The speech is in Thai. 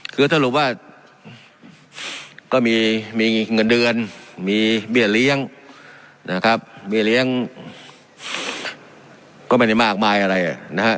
คือสรุปว่าก็มีเงินเดือนมีเบี้ยเลี้ยงนะครับเบี้ยเลี้ยงก็ไม่ได้มากมายอะไรนะฮะ